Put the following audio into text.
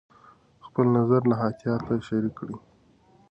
خپل نظر له احتیاطه شریک کړه.